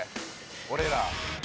俺ら。